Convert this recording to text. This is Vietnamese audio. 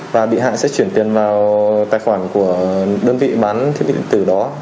và bị hại sẽ chuyển tiền vào tài khoản của đơn vị bán thiết bị điện tử đó